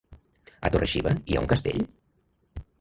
A Torre-xiva hi ha un castell?